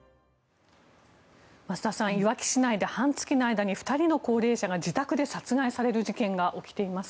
増田さん、いわき市内で半月の間に２人の高齢者が自宅で殺害される事件が起きています。